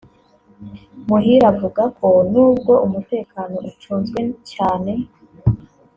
Muhire avuga ko n’ubwo umutekano ucunzwe cyane